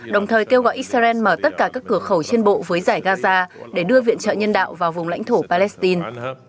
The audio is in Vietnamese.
đồng thời kêu gọi israel mở tất cả các cửa khẩu trên bộ với giải gaza để đưa viện trợ nhân đạo vào vùng lãnh thổ palestine